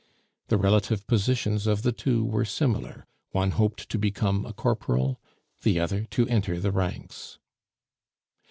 The relative positions of the two were similar one hoped to become a corporal, the other to enter the ranks.